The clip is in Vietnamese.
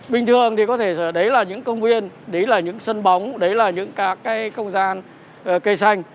bình thường thì có thể đấy là những công viên đấy là những sân bóng đấy là những các cái không gian cây xanh